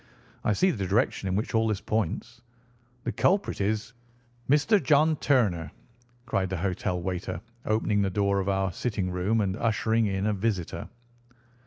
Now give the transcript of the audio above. I see the direction in which all this points. The culprit is—" "Mr. John Turner," cried the hotel waiter, opening the door of our sitting room, and ushering in a visitor.